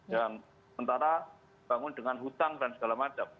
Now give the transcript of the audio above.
yang sementara bangun dengan hutang dan segala macam